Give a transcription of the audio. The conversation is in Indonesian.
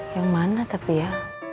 yang mana tapi ya